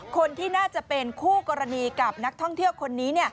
คนที่น่าจะเป็นคู่กรณีกับนักท่องเที่ยวคนนี้